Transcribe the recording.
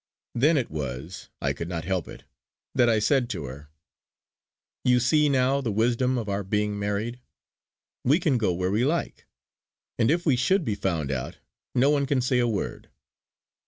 Then it was, I could not help it, that I said to her: "You see now the wisdom of our being married. We can go where we like; and if we should be found out no one can say a word!"